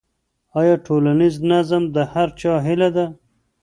آیا ټولنیز نظم د هر چا هيله ده؟